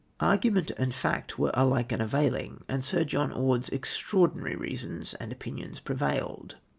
Argument and fact were alike miavailing, and Sir J()lm Orde's extraordinary reasons and opinions pre vailed.